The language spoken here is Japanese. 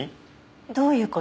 どういう事？